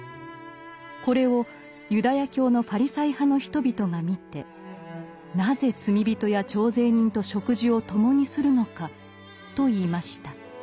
これをユダヤ教のファリサイ派の人々が見て「なぜ罪人や徴税人と食事を共にするのか」と言いました。